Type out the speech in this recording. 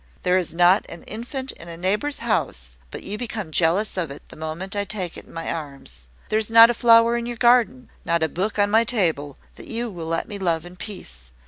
There is not an infant in a neighbour's house but you become jealous of it the moment I take it in my arms. There is not a flower in your garden, not a book on my table, that you will let me love in peace.